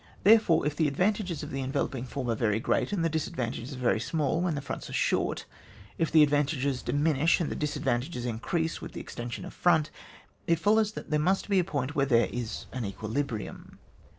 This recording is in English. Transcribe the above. Therefore, ifthe advantages of the enveloping form are very great and the disadvantages very smaU when the fronts are short; ifthe advantages diminish, and the disadvantages increase with the ex tension of front, it follows that there must be a point where there is an equilibrium.